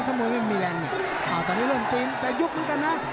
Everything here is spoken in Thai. ถ้ามวยไม่มีแรงเนี่ยตอนนี้เริ่มเกมแต่ยุบเหมือนกันนะ